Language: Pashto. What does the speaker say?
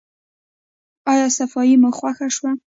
ایا صفايي مو خوښه شوه؟